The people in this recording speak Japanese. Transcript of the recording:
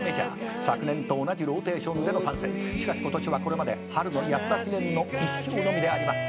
「昨年と同じローテーションでの参戦」「しかし今年はこれまで春の安田記念の１勝のみであります」